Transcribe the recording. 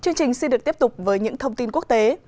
chương trình xin được tiếp tục với những thông tin quốc tế